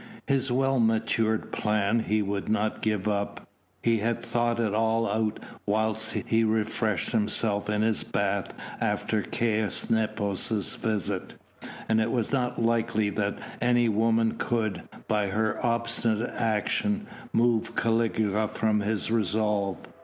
His well matured plan he would not give up. He had thought it all out whilst he refreshed himself in his bath after Caius Nepos' visit, and it was not likely that any woman could, by her obstinate action, move Caligula from his resolve.